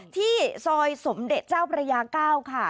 ที่ซอยสมเด็จเจ้าพระยา๙ค่ะ